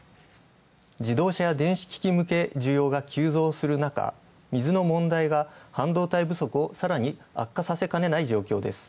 自動車や電子機器向け需要が急増するなか、水の需要が半導体不足をさらに悪化させかねない状況。